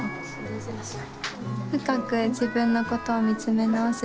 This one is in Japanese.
深く自分のことを見つめ直す